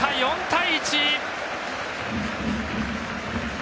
４対１。